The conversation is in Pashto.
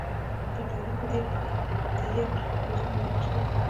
د غزني په ده یک کې د اوسپنې نښې شته.